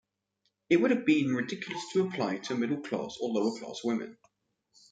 It would have been ridiculous to apply to middle-class or lower-class women.